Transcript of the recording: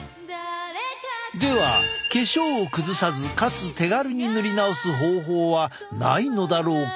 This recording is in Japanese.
では化粧を崩さずかつ手軽に塗り直す方法はないのだろうか？